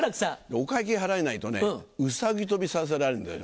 お会計払えないとねうさぎ跳びさせられるんだよ